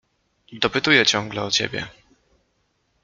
Dopytuje ciągle o ciebie.